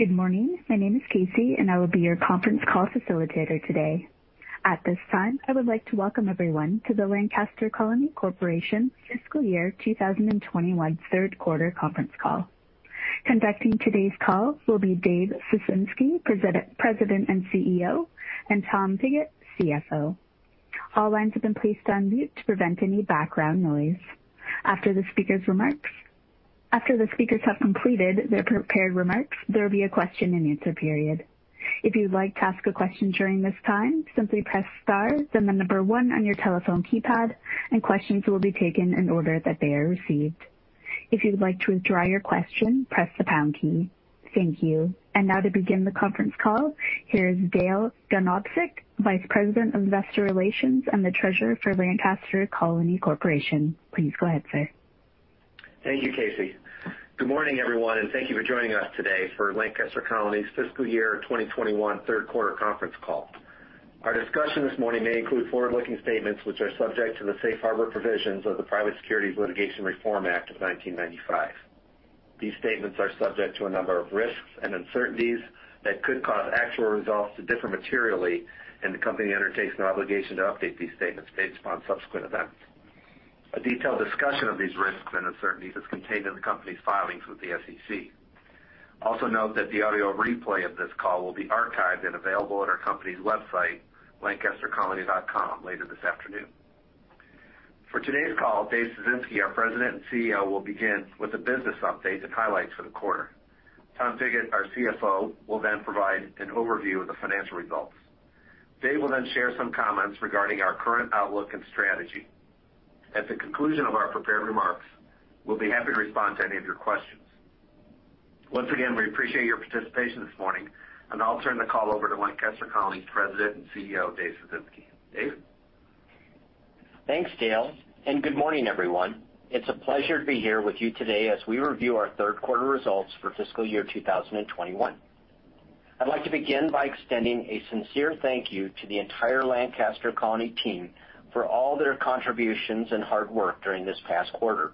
Good morning. My name is Casey, and I will be your conference call facilitator today. At this time, I would like to welcome everyone to the Lancaster Colony Corporation Fiscal Year 2021 Third Quarter Conference Call. Conducting today's call will be Dave Ciesinski, President and CEO, and Tom Pigott, CFO. All lines have been placed on mute to prevent any background noise. After the speakers have completed their prepared remarks, there will be a question-and-answer period. If you'd like to ask a question during this time, simply press star, then the number one on your telephone keypad, and questions will be taken in order that they are received. If you'd like to withdraw your question, press the pound key. Thank you. Now, to begin the conference call, here is Dale Ganobsik, Vice President of Investor Relations and the Treasurer for Lancaster Colony Corporation. Please go ahead, sir. Thank you, Casey. Good morning, everyone, and thank you for joining us today for Lancaster Colony's Fiscal Year 2021 Third Quarter Conference Call. Our discussion this morning may include forward-looking statements which are subject to the Safe Harbor Provisions of the Private Securities Litigation Reform Act of 1995. These statements are subject to a number of risks and uncertainties that could cause actual results to differ materially, and the company undertakes an obligation to update these statements based upon subsequent events. A detailed discussion of these risks and uncertainties is contained in the company's filings with the SEC. Also note that the audio replay of this call will be archived and available at our company's website, lancastercolony.com, later this afternoon. For today's call, Dave Ciesinski, our President and CEO, will begin with a business update and highlights for the quarter. Tom Pigott, our CFO, will then provide an overview of the financial results. Dave will then share some comments regarding our current outlook and strategy. At the conclusion of our prepared remarks, we'll be happy to respond to any of your questions. Once again, we appreciate your participation this morning, and I'll turn the call over to Lancaster Colony's President and CEO, Dave Ciesinski. Dave? Thanks, Dale, and good morning, everyone. It's a pleasure to be here with you today as we review our third quarter results for Fiscal Year 2021. I'd like to begin by extending a sincere thank you to the entire Lancaster Colony team for all their contributions and hard work during this past quarter.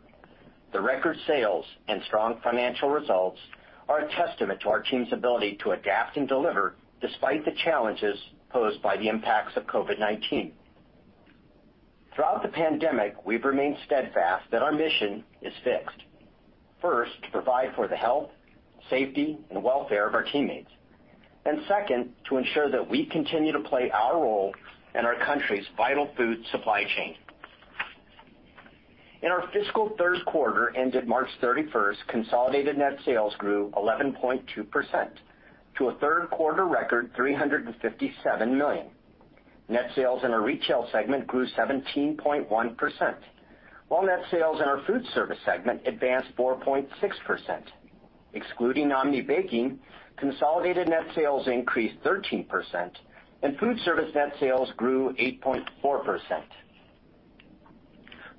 The record sales and strong financial results are a testament to our team's ability to adapt and deliver despite the challenges posed by the impacts of COVID-19. Throughout the pandemic, we've remained steadfast that our mission is fixed. First, to provide for the health, safety, and welfare of our teammates. Second, to ensure that we continue to play our role in our country's vital food supply chain. In our fiscal third quarter ended March 31st, consolidated net sales grew 11.2% to a third quarter record $357 million. Net sales in our retail segment grew 17.1%, while net sales in our food service segment advanced 4.6%. Excluding Omni Baking, consolidated net sales increased 13%, and food service net sales grew 8.4%.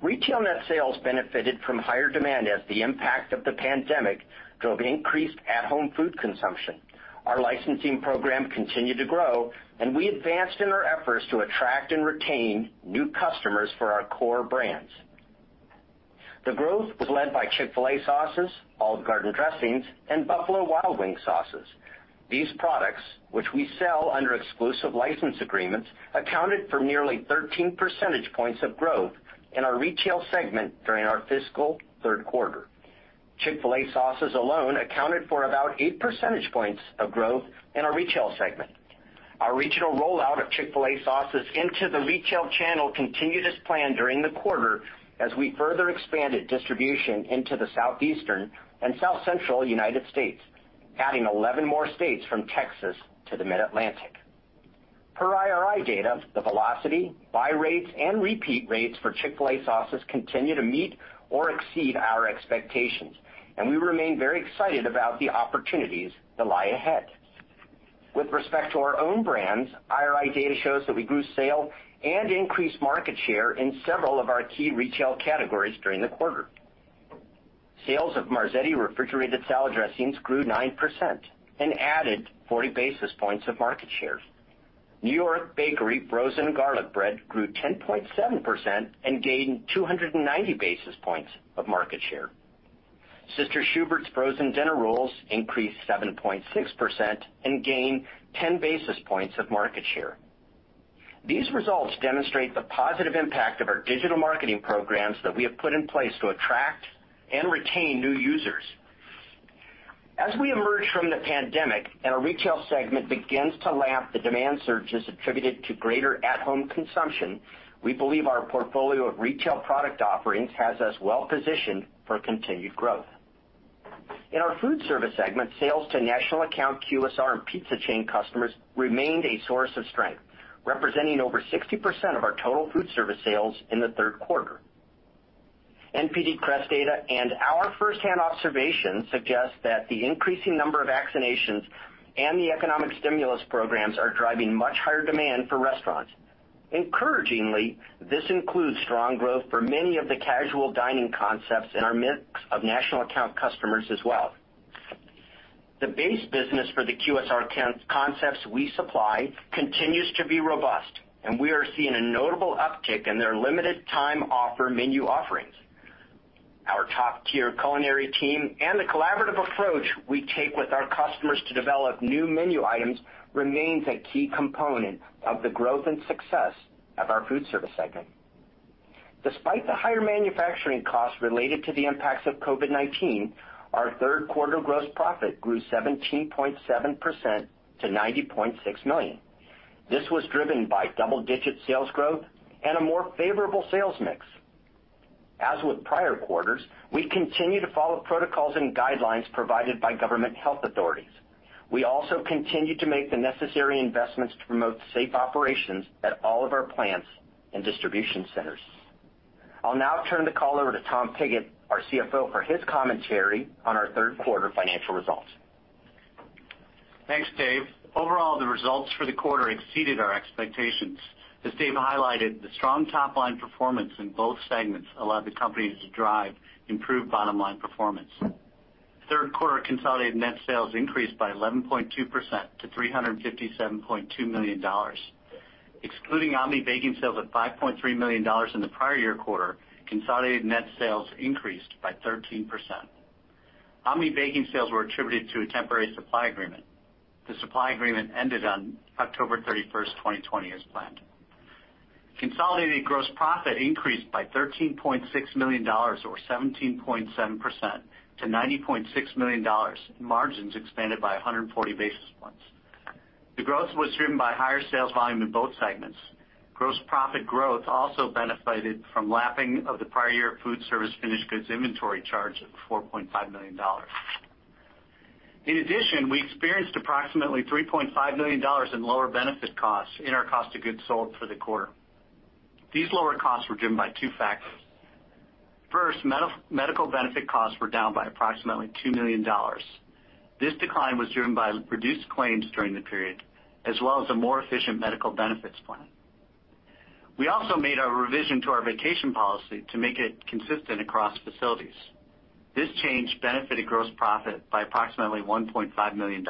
Retail net sales benefited from higher demand as the impact of the pandemic drove increased at-home food consumption. Our licensing program continued to grow, and we advanced in our efforts to attract and retain new customers for our core brands. The growth was led by Chick-fil-A sauces, Olive Garden dressings, and Buffalo Wild Wings sauces. These products, which we sell under exclusive license agreements, accounted for nearly 13 percentage points of growth in our retail segment during our fiscal third quarter. Chick-fil-A sauces alone accounted for about 8 percentage points of growth in our retail segment. Our regional rollout of Chick-fil-A sauces into the retail channel continued as planned during the quarter as we further expanded distribution into the Southeastern and South Central United States, adding 11 more states from Texas to the Mid-Atlantic. Per IRI data, the velocity, buy rates, and repeat rates for Chick-fil-A sauces continue to meet or exceed our expectations, and we remain very excited about the opportunities that lie ahead. With respect to our own brands, IRI data shows that we grew sales and increased market share in several of our key retail categories during the quarter. Sales of Marzetti refrigerated salad dressings grew 9% and added 40 basis points of market share. New York Bakery frozen garlic bread grew 10.7% and gained 290 basis points of market share. Sister Schubert's frozen dinner rolls increased 7.6% and gained 10 basis points of market share. These results demonstrate the positive impact of our digital marketing programs that we have put in place to attract and retain new users. As we emerge from the pandemic and our retail segment begins to lap the demand surges attributed to greater at-home consumption, we believe our portfolio of retail product offerings has us well positioned for continued growth. In our food service segment, sales to national account, QSR, and pizza chain customers remained a source of strength, representing over 60% of our total food service sales in the third quarter. NPD CREST data and our firsthand observations suggest that the increasing number of vaccinations and the economic stimulus programs are driving much higher demand for restaurants. Encouragingly, this includes strong growth for many of the casual dining concepts in our mix of national account customers as well. The base business for the QSR concepts we supply continues to be robust, and we are seeing a notable uptick in their limited-time offer menu offerings. Our top-tier culinary team and the collaborative approach we take with our customers to develop new menu items remains a key component of the growth and success of our food service segment. Despite the higher manufacturing costs related to the impacts of COVID-19, our third quarter gross profit grew 17.7% to $90.6 million. This was driven by double-digit sales growth and a more favorable sales mix. As with prior quarters, we continue to follow protocols and guidelines provided by government health authorities. We also continue to make the necessary investments to promote safe operations at all of our plants and distribution centers. I'll now turn the call over to Tom Pigott, our CFO, for his commentary on our third quarter financial results. Thanks, Dave. Overall, the results for the quarter exceeded our expectations. As Dave highlighted, the strong top-line performance in both segments allowed the company to drive improved bottom-line performance. Third quarter consolidated net sales increased by 11.2% to $357.2 million. Excluding Omni Baking sales of $5.3 million in the prior year quarter, consolidated net sales increased by 13%. Omni Baking sales were attributed to a temporary supply agreement. The supply agreement ended on October 31, 2020, as planned. Consolidated gross profit increased by $13.6 million, or 17.7%, to $90.6 million, and margins expanded by 140 basis points. The growth was driven by higher sales volume in both segments. Gross profit growth also benefited from lapping of the prior year food service finished goods inventory charge of $4.5 million. In addition, we experienced approximately $3.5 million in lower benefit costs in our cost of goods sold for the quarter. These lower costs were driven by two factors. First, medical benefit costs were down by approximately $2 million. This decline was driven by reduced claims during the period, as well as a more efficient medical benefits plan. We also made a revision to our vacation policy to make it consistent across facilities. This change benefited gross profit by approximately $1.5 million.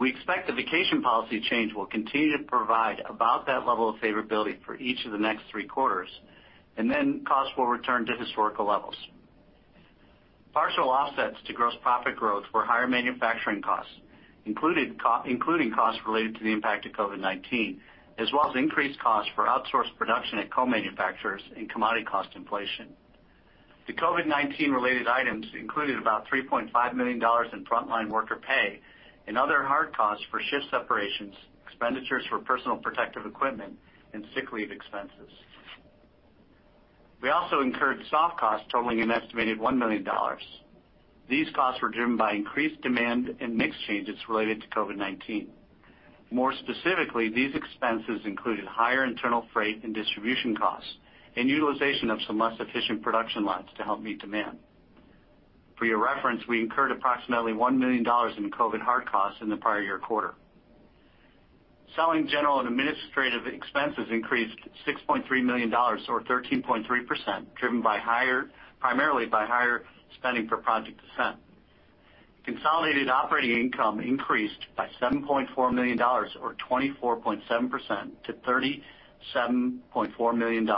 We expect the vacation policy change will continue to provide about that level of favorability for each of the next three quarters, and then costs will return to historical levels. Partial offsets to gross profit growth were higher manufacturing costs, including costs related to the impact of COVID-19, as well as increased costs for outsourced production at co-manufacturers and commodity cost inflation. The COVID-19-related items included about $3.5 million in front-line worker pay and other hard costs for shift separations, expenditures for personal protective equipment, and sick leave expenses. We also incurred soft costs totaling an estimated $1 million. These costs were driven by increased demand and mix changes related to COVID-19. More specifically, these expenses included higher internal freight and distribution costs and utilization of some less efficient production lines to help meet demand. For your reference, we incurred approximately $1 million in COVID hard costs in the prior year quarter. Selling, general, and administrative expenses increased $6.3 million, or 13.3%, driven primarily by higher spending for Project Ascent. Consolidated operating income increased by $7.4 million, or 24.7%, to $37.4 million.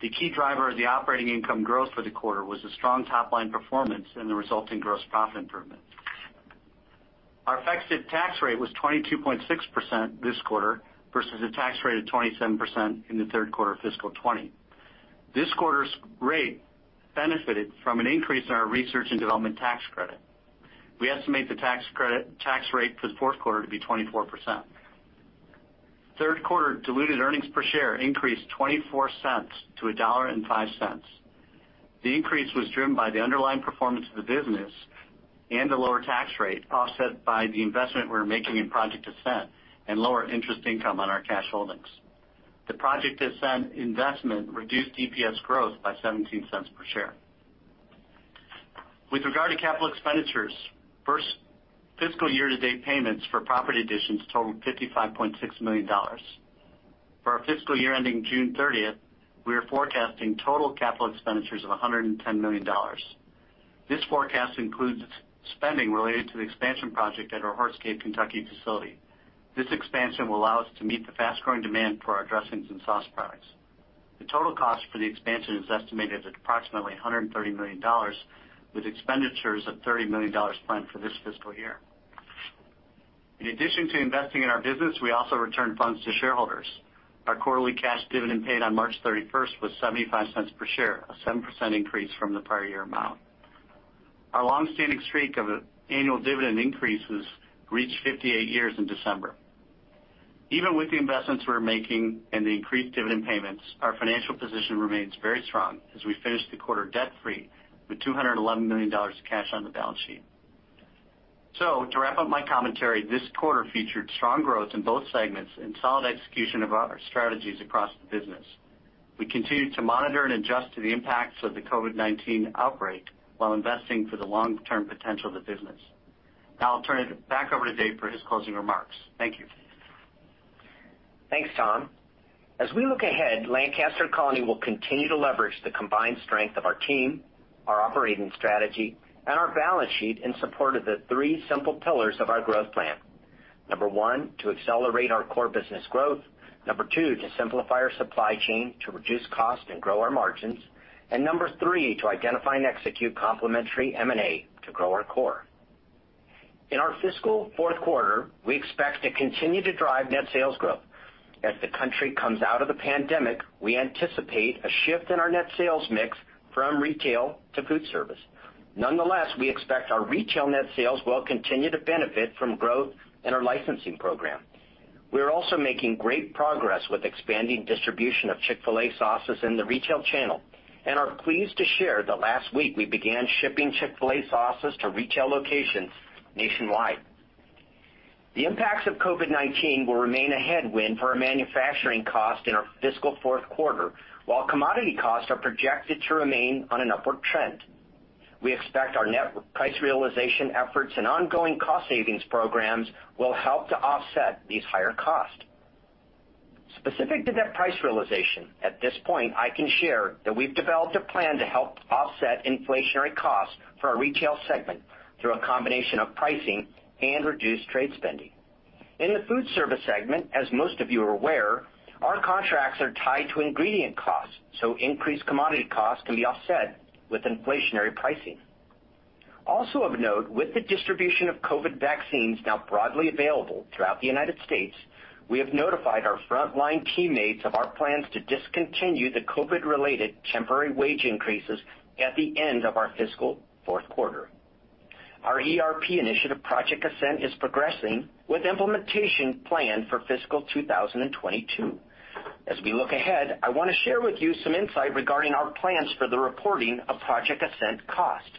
The key driver of the operating income growth for the quarter was a strong top-line performance and the resulting gross profit improvement. Our effective tax rate was 22.6% this quarter versus a tax rate of 27% in the third quarter of fiscal 2020. This quarter's rate benefited from an increase in our research and development tax credit. We estimate the tax rate for the fourth quarter to be 24%. Third quarter diluted earnings per share increased $0.24-$1.05. The increase was driven by the underlying performance of the business and the lower tax rate, offset by the investment we were making in Project Ascent and lower interest income on our cash holdings. The Project Ascent investment reduced EPS growth by $0.17 per share. With regard to capital expenditures, first fiscal year-to-date payments for property additions totaled $55.6 million. For our fiscal year ending June 30th, we are forecasting total capital expenditures of $110 million. This forecast includes spending related to the expansion project at our Horse Cave, Kentucky facility. This expansion will allow us to meet the fast-growing demand for our dressings and sauce products. The total cost for the expansion is estimated at approximately $130 million, with expenditures of $30 million planned for this fiscal year. In addition to investing in our business, we also return funds to shareholders. Our quarterly cash dividend paid on March 31th was $0.75 per share, a 7% increase from the prior year amount. Our long-standing streak of annual dividend increases reached 58 years in December. Even with the investments we're making and the increased dividend payments, our financial position remains very strong as we finish the quarter debt-free with $211 million of cash on the balance sheet. To wrap up my commentary, this quarter featured strong growth in both segments and solid execution of our strategies across the business. We continue to monitor and adjust to the impacts of the COVID-19 outbreak while investing for the long-term potential of the business. I'll turn it back over to Dave for his closing remarks. Thank you. Thanks, Tom. As we look ahead, Lancaster Colony will continue to leverage the combined strength of our team, our operating strategy, and our balance sheet in support of the three simple pillars of our growth plan. Number one, to accelerate our core business growth. Number two, to simplify our supply chain to reduce costs and grow our margins. Number three, to identify and execute complementary M&A to grow our core. In our fiscal fourth quarter, we expect to continue to drive net sales growth. As the country comes out of the pandemic, we anticipate a shift in our net sales mix from retail to food service. Nonetheless, we expect our retail net sales will continue to benefit from growth in our licensing program. We are also making great progress with expanding distribution of Chick-fil-A sauces in the retail channel and are pleased to share that last week we began shipping Chick-fil-A sauces to retail locations nationwide. The impacts of COVID-19 will remain a headwind for our manufacturing costs in our fiscal fourth quarter, while commodity costs are projected to remain on an upward trend. We expect our net price realization efforts and ongoing cost savings programs will help to offset these higher costs. Specific to that price realization, at this point, I can share that we've developed a plan to help offset inflationary costs for our retail segment through a combination of pricing and reduced trade spending. In the food service segment, as most of you are aware, our contracts are tied to ingredient costs, so increased commodity costs can be offset with inflationary pricing. Also of note, with the distribution of COVID vaccines now broadly available throughout the U.S., we have notified our front-line teammates of our plans to discontinue the COVID-related temporary wage increases at the end of our fiscal fourth quarter. Our ERP initiative, Project Ascent, is progressing with implementation planned for fiscal 2022. As we look ahead, I want to share with you some insight regarding our plans for the reporting of Project Ascent cost.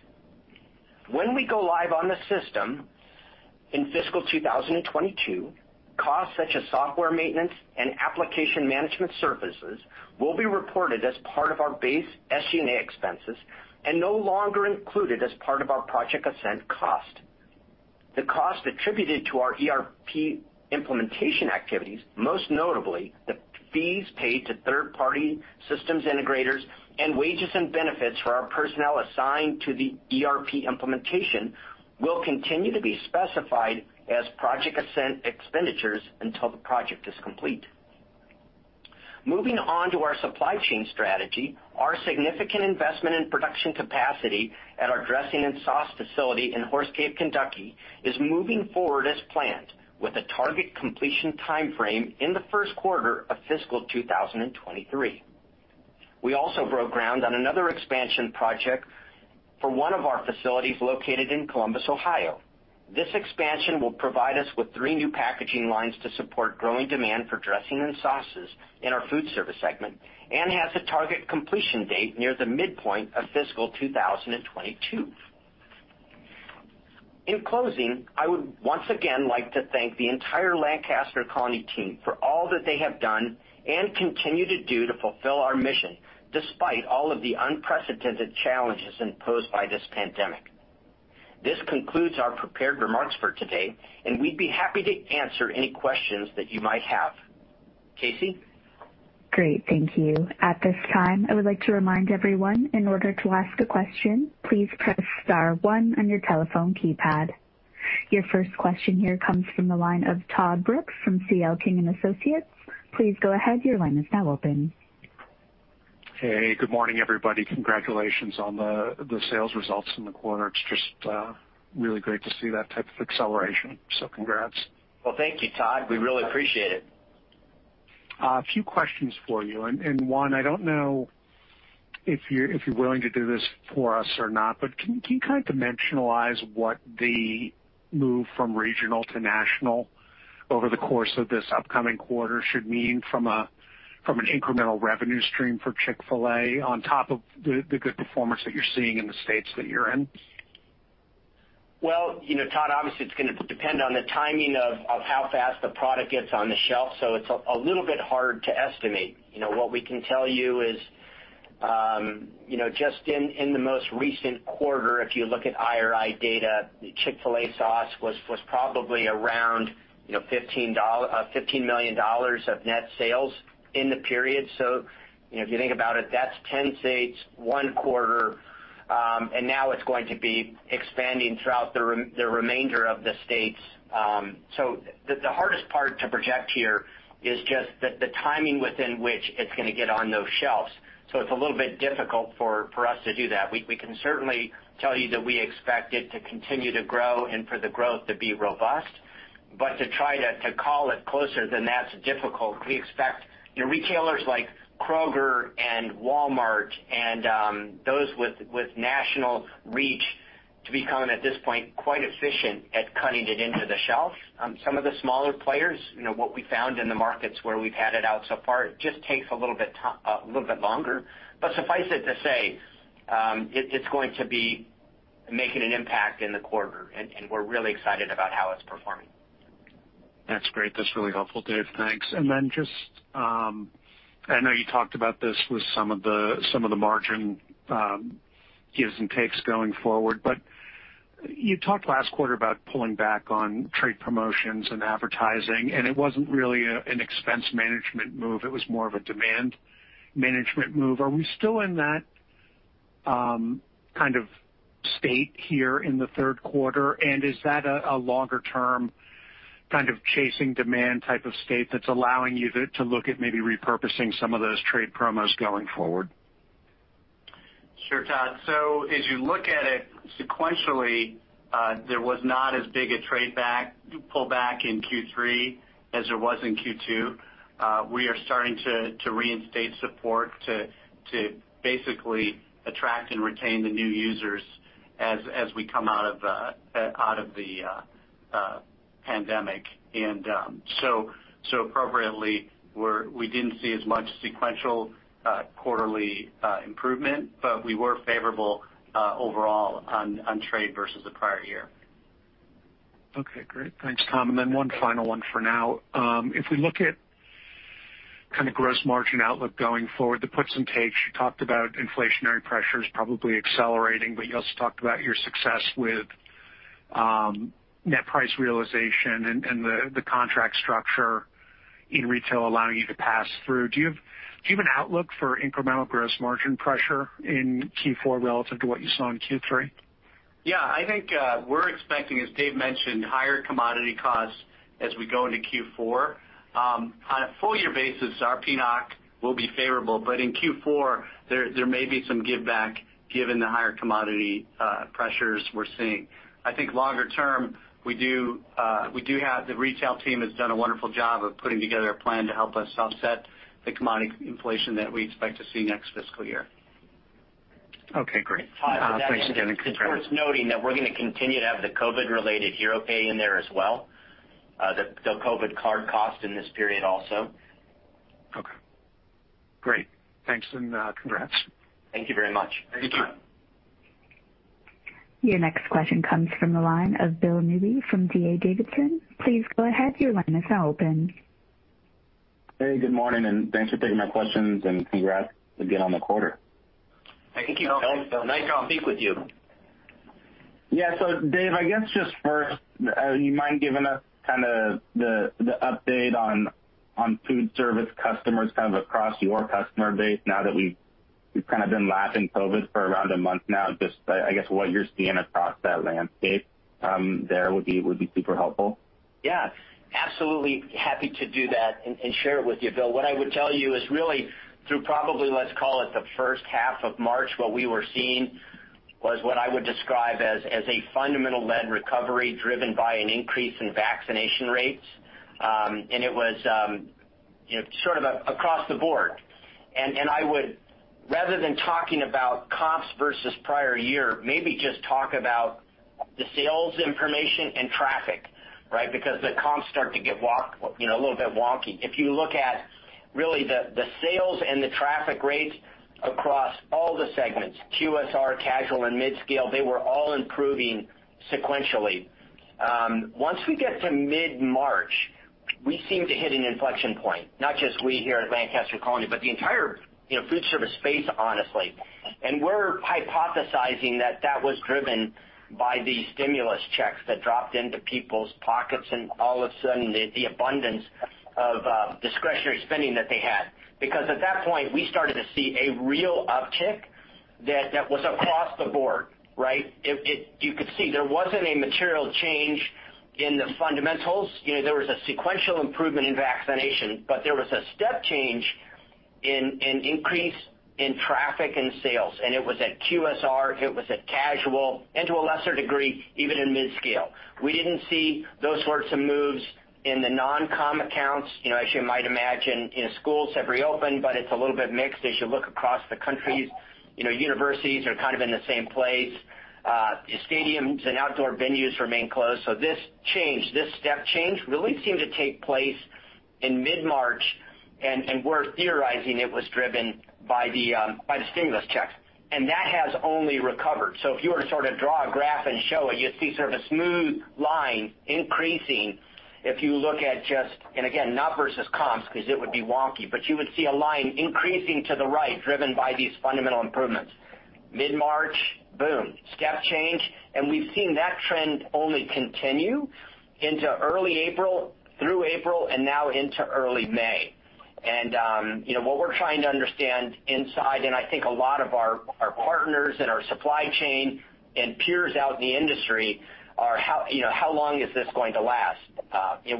When we go live on the system in fiscal 2022, costs such as software maintenance and application management services will be reported as part of our base SG&A expenses and no longer included as part of our Project Ascent cost. The costs attributed to our ERP implementation activities, most notably the fees paid to third-party systems integrators and wages and benefits for our personnel assigned to the ERP implementation, will continue to be specified as Project Ascent expenditures until the project is complete. Moving on to our supply chain strategy, our significant investment in production capacity at our dressing and sauce facility in Horse Cave, Kentucky, is moving forward as planned with a target completion timeframe in the first quarter of fiscal 2023. We also broke ground on another expansion project for one of our facilities located in Columbus, Ohio. This expansion will provide us with three new packaging lines to support growing demand for dressing and sauces in our food service segment and has a target completion date near the midpoint of fiscal 2022. In closing, I would once again like to thank the entire Lancaster Colony team for all that they have done and continue to do to fulfill our mission despite all of the unprecedented challenges imposed by this pandemic. This concludes our prepared remarks for today, and we'd be happy to answer any questions that you might have. Casey? Great. Thank you. At this time, I would like to remind everyone in order to ask a question, please press star one on your telephone keypad. Your first question here comes from the line of Todd Brooks from C.L. King & Associates. Please go ahead. Your line is now open. Hey, good morning, everybody. Congratulations on the sales results in the quarter. It's just really great to see that type of acceleration, so congrats. Thank you, Todd. We really appreciate it. A few questions for you. One, I don't know if you're willing to do this for us or not, but can you kind of dimensionalize what the move from regional to national over the course of this upcoming quarter should mean from an incremental revenue stream for Chick-fil-A on top of the good performance that you're seeing in the states that you're in? Todd, obviously, it's going to depend on the timing of how fast the product gets on the shelf, so it's a little bit hard to estimate. What we can tell you is just in the most recent quarter, if you look at IRI data, the Chick-fil-A sauce was probably around $15 million of net sales in the period. If you think about it, that's 10 states, one quarter, and now it's going to be expanding throughout the remainder of the states. The hardest part to project here is just the timing within which it's going to get on those shelves. It's a little bit difficult for us to do that. We can certainly tell you that we expect it to continue to grow and for the growth to be robust, but to try to call it closer than that's difficult. We expect retailers like Kroger and Walmart and those with national reach to become, at this point, quite efficient at cutting it into the shelf. Some of the smaller players, what we found in the markets where we've had it out so far, it just takes a little bit longer. Suffice it to say, it's going to be making an impact in the quarter, and we're really excited about how it's performing. That's great. That's really helpful, Dave. Thanks. I know you talked about this with some of the margin gives and takes going forward, but you talked last quarter about pulling back on trade promotions and advertising, and it wasn't really an expense management move. It was more of a demand management move. Are we still in that kind of state here in the third quarter, and is that a longer-term kind of chasing demand type of state that's allowing you to look at maybe repurposing some of those trade promos going forward? Sure, Todd. As you look at it sequentially, there was not as big a trade pullback in Q3 as there was in Q2. We are starting to reinstate support to basically attract and retain the new users as we come out of the pandemic. Appropriately, we did not see as much sequential quarterly improvement, but we were favorable overall on trade versus the prior year. Okay. Great. Thanks, Tom. One final one for now. If we look at kind of gross margin outlook going forward, the puts and takes, you talked about inflationary pressures probably accelerating, but you also talked about your success with net price realization and the contract structure in retail allowing you to pass through. Do you have an outlook for incremental gross margin pressure in Q4 relative to what you saw in Q3? Yeah. I think we're expecting, as Dave mentioned, higher commodity costs as we go into Q4. On a full-year basis, our P&L will be favorable, but in Q4, there may be some give back given the higher commodity pressures we're seeing. I think longer term, we do have the retail team has done a wonderful job of putting together a plan to help us offset the commodity inflation that we expect to see next fiscal year. Okay. Great. Todd, thanks again. Todd, thanks again. is just worth noting that we're going to continue to have the COVID-related hero pay in there as well, the COVID card cost in this period also. Okay. Great. Thanks, and congrats. Thank you very much. Thank you. Your next question comes from the line of Bill Newby from D.A. Davidson. Please go ahead. Your line is now open. Hey, good morning, and thanks for taking my questions, and congrats again on the quarter. Thank you. Nice to speak with you. Yeah. Dave, I guess just first, do you mind giving us kind of the update on food service customers kind of across your customer base now that we've kind of been lapping COVID for around a month now? Just I guess what you're seeing across that landscape there would be super helpful. Yeah. Absolutely happy to do that and share it with you, Bill. What I would tell you is really through probably, let's call it the first half of March, what we were seeing was what I would describe as a fundamental-led recovery driven by an increase in vaccination rates. It was sort of across the board. I would, rather than talking about comps versus prior year, maybe just talk about the sales information and traffic, right, because the comps start to get a little bit wonky. If you look at really the sales and the traffic rates across all the segments, QSR, casual, and mid-scale, they were all improving sequentially. Once we get to mid-March, we seem to hit an inflection point, not just we here at Lancaster Colony, but the entire food service space, honestly. We are hypothesizing that that was driven by the stimulus checks that dropped into people's pockets and all of a sudden the abundance of discretionary spending that they had. At that point, we started to see a real uptick that was across the board, right? You could see there was not a material change in the fundamentals. There was a sequential improvement in vaccination, but there was a step change in increase in traffic and sales. It was at QSR, it was at casual, and to a lesser degree, even in mid-scale. We did not see those sorts of moves in the non-com accounts. As you might imagine, schools have reopened, but it is a little bit mixed as you look across the country. Universities are kind of in the same place. Stadiums and outdoor venues remain closed. This change, this step change really seemed to take place in mid-March, and we're theorizing it was driven by the stimulus checks. That has only recovered. If you were to sort of draw a graph and show it, you'd see sort of a smooth line increasing if you look at just, and again, not versus comps because it would be wonky, but you would see a line increasing to the right driven by these fundamental improvements. Mid-March, boom, step change. We've seen that trend only continue into early April, through April, and now into early May. What we're trying to understand inside, and I think a lot of our partners and our supply chain and peers out in the industry are, is how long is this going to last.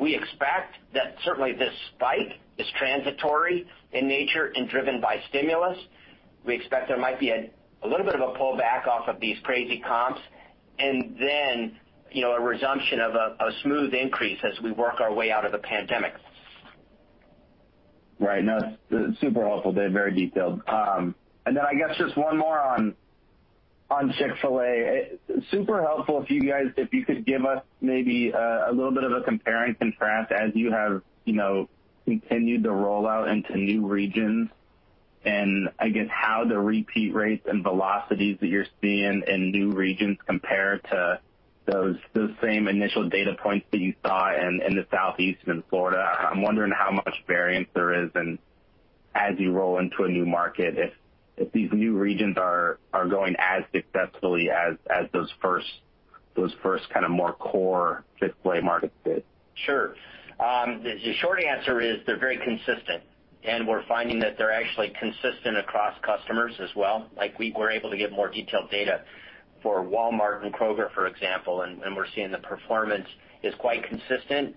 We expect that certainly this spike is transitory in nature and driven by stimulus. We expect there might be a little bit of a pullback off of these crazy comps and then a resumption of a smooth increase as we work our way out of the pandemic. Right. No, it's super helpful, Dave. Very detailed. I guess just one more on Chick-fil-A. Super helpful if you could give us maybe a little bit of a compare and contrast as you have continued to roll out into new regions and I guess how the repeat rates and velocities that you're seeing in new regions compare to those same initial data points that you saw in the southeast and in Florida. I'm wondering how much variance there is as you roll into a new market if these new regions are going as successfully as those first kind of more core Chick-fil-A markets did. Sure. The short answer is they're very consistent, and we're finding that they're actually consistent across customers as well. We were able to get more detailed data for Walmart and Kroger, for example, and we're seeing the performance is quite consistent.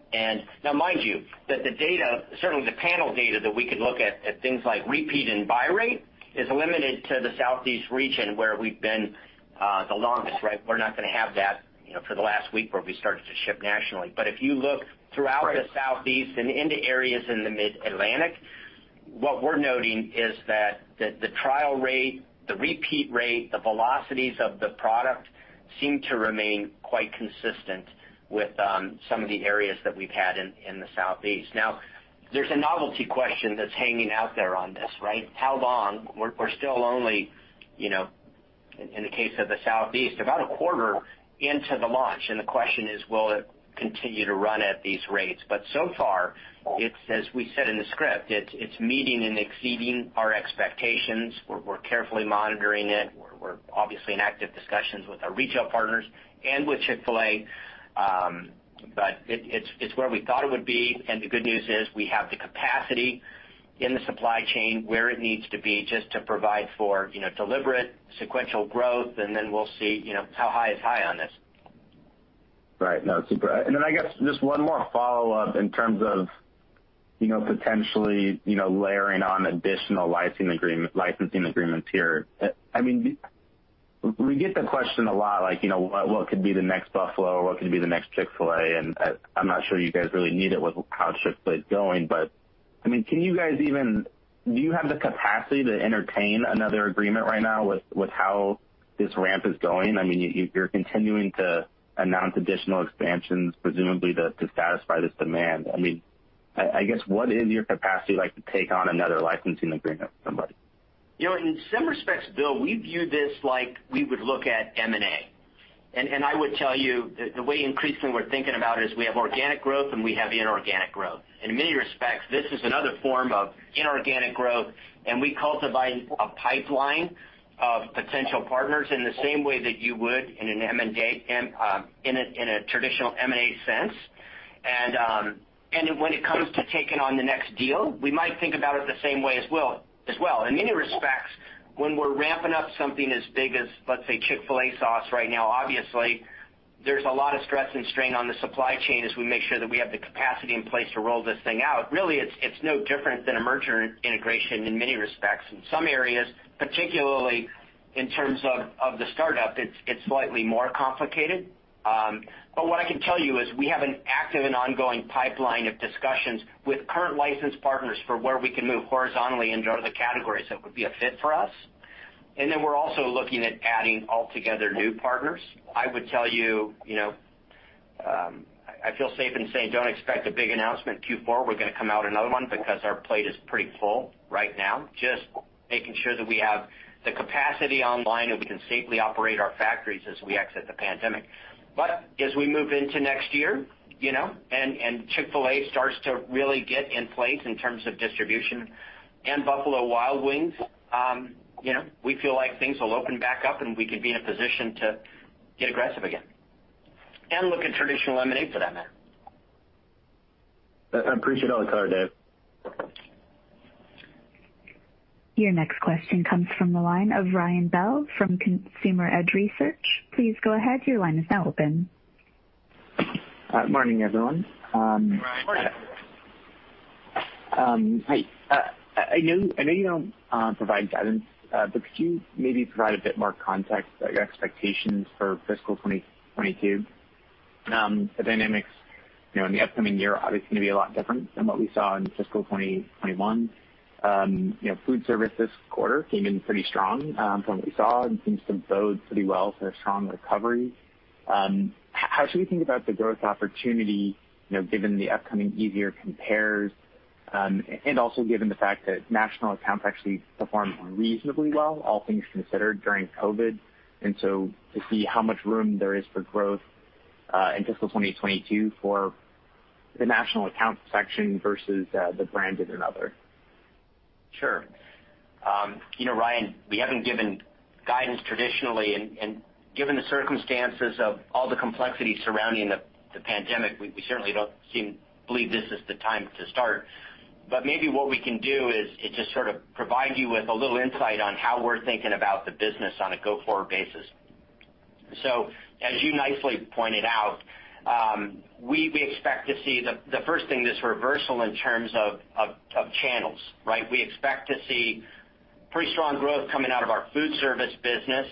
Mind you, the data, certainly the panel data that we could look at, things like repeat and buy rate, is limited to the southeast region where we've been the longest, right? We're not going to have that for the last week where we started to ship nationally. If you look throughout the southeast and into areas in the mid-Atlantic, what we're noting is that the trial rate, the repeat rate, the velocities of the product seem to remain quite consistent with some of the areas that we've had in the southeast. Now, there's a novelty question that's hanging out there on this, right? How long? We're still only, in the case of the southeast, about a quarter into the launch, and the question is, will it continue to run at these rates? So far, it's, as we said in the script, it's meeting and exceeding our expectations. We're carefully monitoring it. We're obviously in active discussions with our retail partners and with Chick-fil-A, but it's where we thought it would be. The good news is we have the capacity in the supply chain where it needs to be just to provide for deliberate sequential growth, and then we'll see how high is high on this. Right. No, it's super. I guess just one more follow-up in terms of potentially layering on additional licensing agreements here. We get the question a lot like, "What could be the next Buffalo? What could be the next Chick-fil-A?" I'm not sure you guys really need it with how Chick-fil-A is going, but I mean, can you guys even do you have the capacity to entertain another agreement right now with how this ramp is going? You're continuing to announce additional expansions, presumably to satisfy this demand. I guess what is your capacity to take on another licensing agreement with somebody? In some respects, Bill, we view this like we would look at M&A. I would tell you the way increasingly we're thinking about it is we have organic growth and we have inorganic growth. In many respects, this is another form of inorganic growth, and we cultivate a pipeline of potential partners in the same way that you would in a traditional M&A sense. When it comes to taking on the next deal, we might think about it the same way as well. In many respects, when we're ramping up something as big as, let's say, Chick-fil-A sauce right now, obviously, there's a lot of stress and strain on the supply chain as we make sure that we have the capacity in place to roll this thing out. Really, it's no different than a merger integration in many respects. In some areas, particularly in terms of the startup, it's slightly more complicated. What I can tell you is we have an active and ongoing pipeline of discussions with current licensed partners for where we can move horizontally into other categories that would be a fit for us. We are also looking at adding altogether new partners. I would tell you I feel safe in saying don't expect a big announcement Q4. We are going to come out another one because our plate is pretty full right now. Just making sure that we have the capacity online and we can safely operate our factories as we exit the pandemic. As we move into next year and Chick-fil-A starts to really get in place in terms of distribution and Buffalo Wild Wings, we feel like things will open back up and we can be in a position to get aggressive again and look at traditional M&A for that matter. I appreciate all the clarity, Dave. Your next question comes from the line of Ryan Bell from Consumer Edge Research. Please go ahead. Your line is now open. Good morning, everyone. Good morning. Morning. Hi. I know you don't provide guidance, but could you maybe provide a bit more context about your expectations for fiscal 2022? The dynamics in the upcoming year are obviously going to be a lot different than what we saw in fiscal 2021. Food service this quarter came in pretty strong from what we saw and seems to bode pretty well for a strong recovery. How should we think about the growth opportunity given the upcoming easier compares and also given the fact that national accounts actually performed reasonably well, all things considered, during COVID? To see how much room there is for growth in fiscal 2022 for the national accounts section versus the brand in another? Sure. You know, Ryan, we haven't given guidance traditionally. Given the circumstances of all the complexity surrounding the pandemic, we certainly don't believe this is the time to start. Maybe what we can do is just sort of provide you with a little insight on how we're thinking about the business on a go-forward basis. As you nicely pointed out, we expect to see the first thing this reversal in terms of channels, right? We expect to see pretty strong growth coming out of our food service business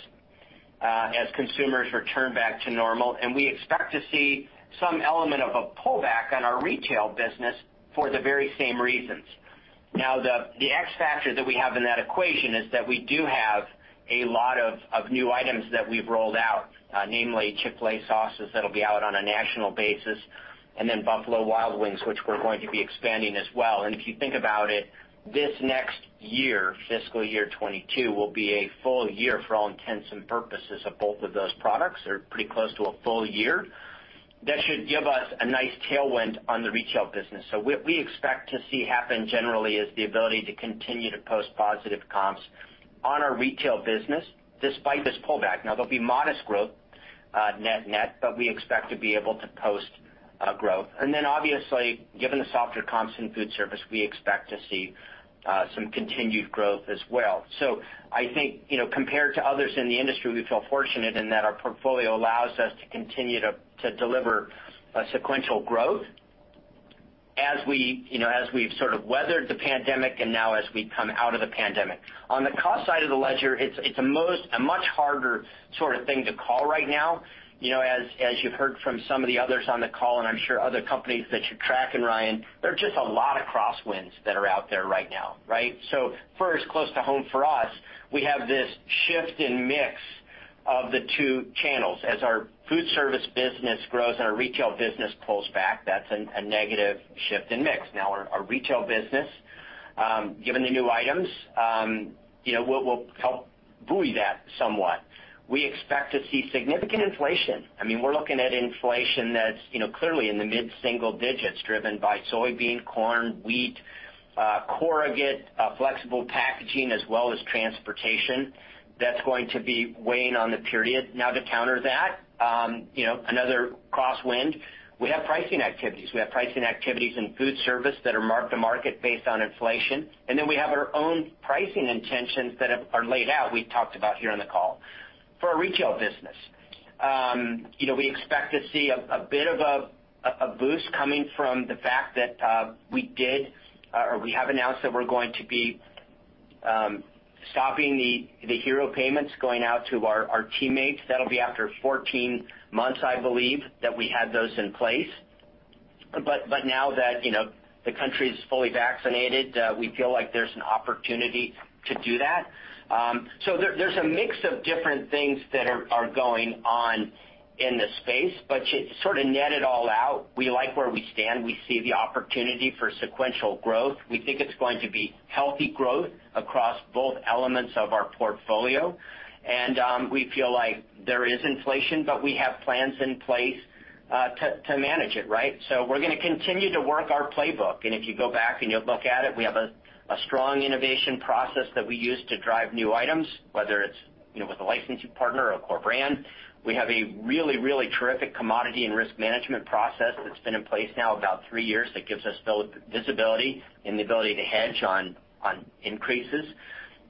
as consumers return back to normal. We expect to see some element of a pullback on our retail business for the very same reasons. Now, the X factor that we have in that equation is that we do have a lot of new items that we've rolled out, namely Chick-fil-A sauces that will be out on a national basis, and then Buffalo Wild Wings, which we're going to be expanding as well. If you think about it, this next year, fiscal year 2022, will be a full year for all intents and purposes of both of those products. They're pretty close to a full year. That should give us a nice tailwind on the retail business. What we expect to see happen generally is the ability to continue to post positive comps on our retail business despite this pullback. There will be modest growth net, but we expect to be able to post growth. Obviously, given the softer comps in food service, we expect to see some continued growth as well. I think compared to others in the industry, we feel fortunate in that our portfolio allows us to continue to deliver sequential growth as we have sort of weathered the pandemic and now as we come out of the pandemic. On the cost side of the ledger, it is a much harder sort of thing to call right now. As you have heard from some of the others on the call, and I am sure other companies that you are tracking, Ryan, there are just a lot of crosswinds that are out there right now, right? First, close to home for us, we have this shift in mix of the two channels. As our food service business grows and our retail business pulls back, that is a negative shift in mix. Now, our retail business, given the new items, will help buoy that somewhat. We expect to see significant inflation. I mean, we're looking at inflation that's clearly in the mid-single digits driven by soybean, corn, wheat, corrugate, flexible packaging, as well as transportation. That's going to be weighing on the period. Now, to counter that, another crosswind, we have pricing activities. We have pricing activities in food service that are marked to market based on inflation. And then we have our own pricing intentions that are laid out. We talked about here on the call. For our retail business, we expect to see a bit of a boost coming from the fact that we did or we have announced that we're going to be stopping the hero payments going out to our teammates. That'll be after 14 months, I believe, that we had those in place. Now that the country is fully vaccinated, we feel like there's an opportunity to do that. There is a mix of different things that are going on in the space, but to sort of net it all out, we like where we stand. We see the opportunity for sequential growth. We think it's going to be healthy growth across both elements of our portfolio. We feel like there is inflation, but we have plans in place to manage it, right? We are going to continue to work our playbook. If you go back and you look at it, we have a strong innovation process that we use to drive new items, whether it's with a licensing partner or a core brand. We have a really, really terrific commodity and risk management process that's been in place now about three years that gives us visibility and the ability to hedge on increases.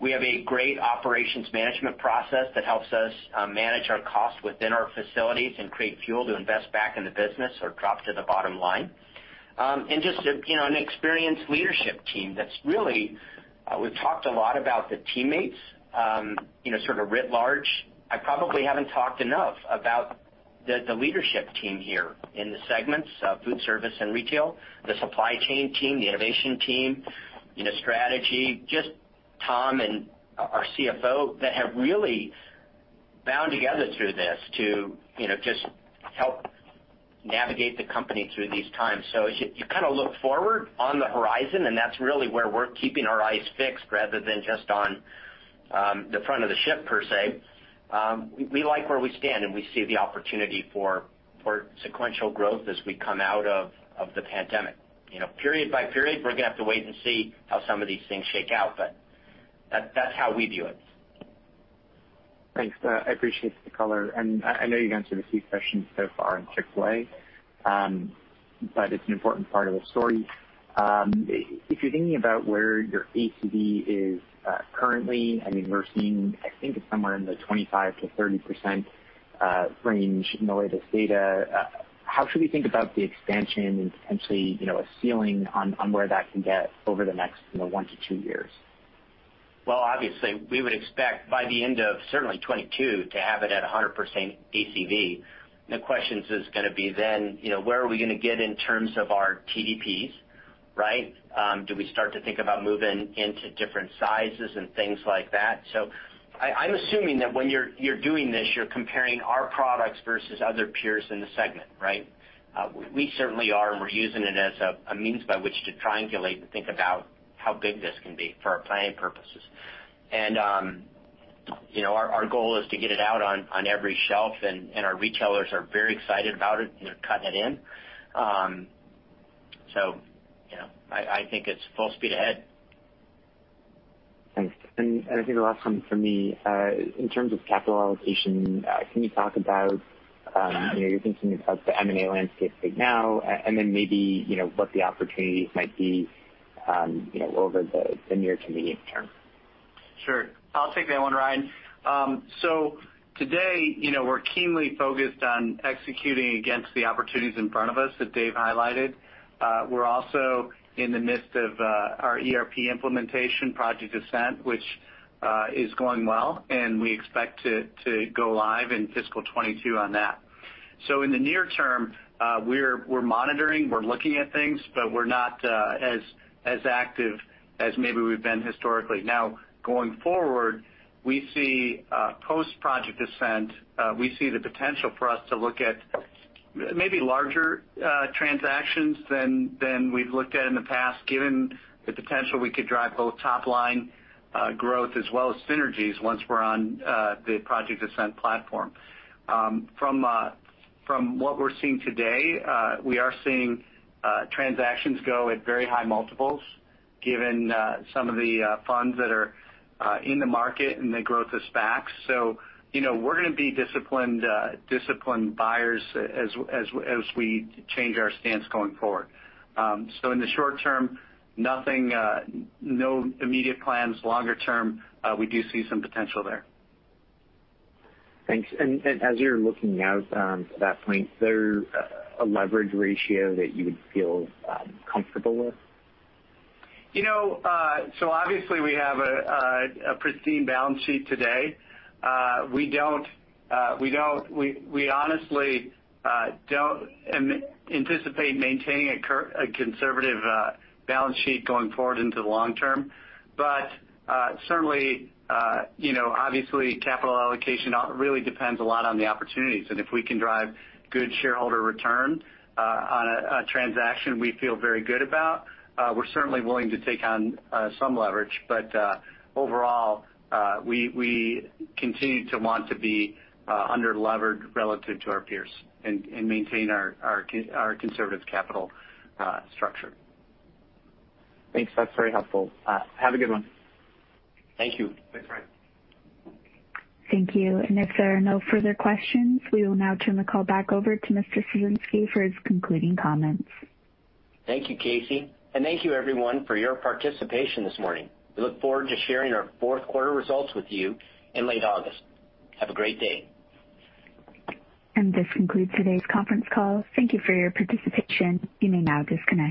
We have a great operations management process that helps us manage our costs within our facilities and create fuel to invest back in the business or drop to the bottom line. Just an experienced leadership team that's really we've talked a lot about the teammates sort of writ large. I probably haven't talked enough about the leadership team here in the segments of food service and retail, the supply chain team, the innovation team, strategy, just Tom and our CFO that have really bound together through this to just help navigate the company through these times. You kind of look forward on the horizon, and that's really where we're keeping our eyes fixed rather than just on the front of the ship, per se. We like where we stand, and we see the opportunity for sequential growth as we come out of the pandemic. Period by period, we're going to have to wait and see how some of these things shake out, but that's how we view it. Thanks. I appreciate the color. I know you've answered a few questions so far on Chick-fil-A, but it's an important part of the story. If you're thinking about where your ACV is currently, I mean, we're seeing, I think, it's somewhere in the 25%-30% range in the latest data. How should we think about the expansion and potentially a ceiling on where that can get over the next one to two years? Obviously, we would expect by the end of certainly 2022 to have it at 100% ACV. The question is going to be then, where are we going to get in terms of our TDP, right? Do we start to think about moving into different sizes and things like that? I am assuming that when you are doing this, you are comparing our products versus other peers in the segment, right? We certainly are, and we are using it as a means by which to triangulate and think about how big this can be for our planning purposes. Our goal is to get it out on every shelf, and our retailers are very excited about it, and they are cutting it in. I think it is full speed ahead. Thanks. I think the last one for me, in terms of capital allocation, can you talk about your thinking about the M&A landscape right now, and then maybe what the opportunities might be over the near to medium term? Sure. I'll take that one, Ryan. Today, we're keenly focused on executing against the opportunities in front of us that Dave highlighted. We're also in the midst of our ERP implementation, Project Ascent, which is going well, and we expect to go live in fiscal 2022 on that. In the near term, we're monitoring. We're looking at things, but we're not as active as maybe we've been historically. Now, going forward, we see post-Project Ascent, we see the potential for us to look at maybe larger transactions than we've looked at in the past, given the potential we could drive both top-line growth as well as synergies once we're on the Project Ascent platform. From what we're seeing today, we are seeing transactions go at very high multiples given some of the funds that are in the market and the growth of SPACs. We're going to be disciplined buyers as we change our stance going forward. In the short term, no immediate plans. Longer term, we do see some potential there. Thanks. As you're looking out to that point, is there a leverage ratio that you would feel comfortable with? We have a pristine balance sheet today. We honestly do not anticipate maintaining a conservative balance sheet going forward into the long term. Certainly, capital allocation really depends a lot on the opportunities. If we can drive good shareholder return on a transaction we feel very good about, we are certainly willing to take on some leverage. Overall, we continue to want to be under-levered relative to our peers and maintain our conservative capital structure. Thanks. That's very helpful. Have a good one. Thank you. Thanks, Ryan. Thank you. If there are no further questions, we will now turn the call back over to Mr. Ciesinski for his concluding comments. Thank you, Casey. Thank you, everyone, for your participation this morning. We look forward to sharing our fourth quarter results with you in late August. Have a great day. This concludes today's conference call. Thank you for your participation. You may now disconnect.